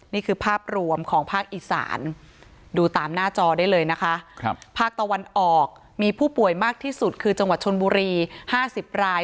นี่คือภาพรวมของภาคอีสานดูตามหน้าจอได้เลยนะคะภาคตะวันออกมีผู้ป่วยมากที่สุดคือจังหวัดชนบุรี๕๐ราย